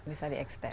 bisa di ekstern